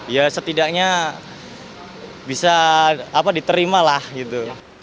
ya setidaknya bisa diterima lah gitu